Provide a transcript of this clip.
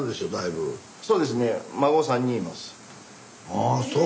ああそう。